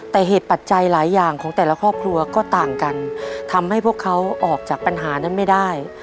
แต่เหตุปัจจัยหลายอย่างของแต่ละครอบครัวก็ต่างกันทำให้พวกเขาออกจากปัญหานั้นไม่ได้